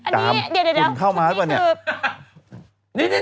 เดี๋ยวชุดนี้คือ